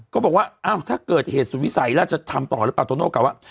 ก็บอกว่าอ้าวถ้าเกิดเหตุสุดวิสัยแล้วจะทำต่อหรือเปล่าโตโน่กลับว่า